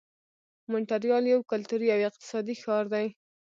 مونټریال یو کلتوري او اقتصادي ښار دی.